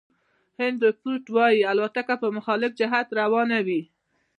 هینري فورد وایي الوتکه په مخالف جهت روانه وي.